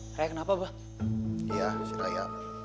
perjalanan sama di jalan karena raya